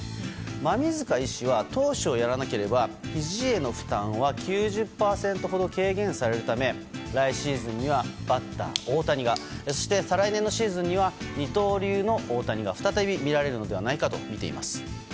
馬見塚医師は投手をやらなければひじへの負担は９０％ほど軽減されるため、来シーズンにはバッター大谷がそして再来年のシーズンには二刀流の大谷が再び見られるのではないかとみています。